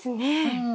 うん。